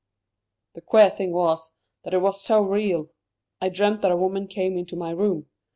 "The queer thing was, that it was so real. I dreamt that a woman came into my room.